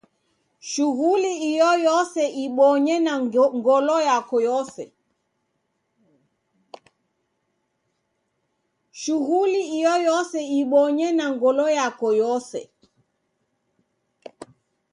Shughuli iyoyose ibonye na ngolo yako yose.